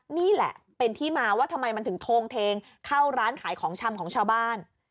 นี่แหละเป็นที่มาว่าทำไมมันถึงโทงเทงเข้าร้านขายของชำของชาวบ้าน